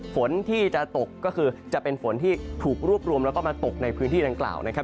ฝนที่จะตกก็คือจะเป็นฝนที่ถูกรวบรวมแล้วก็มาตกในพื้นที่ดังกล่าวนะครับ